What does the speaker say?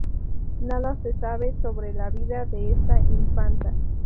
Nada se sabe sobre la vida de esta infanta.